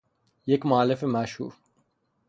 یک مولف مشهور